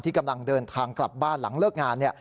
กำลังเดินทางกลับบ้านหลังเลิกงาน